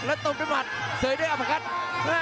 แล้วตบเป็นหมัดเสยด้วยอภักษณ์